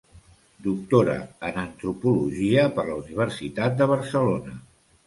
Doctora en antropologia per la Universitat de Barcelona.